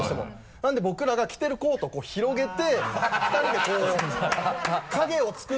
なので僕らが着てるコートをこう広げて２人でこう影を作って。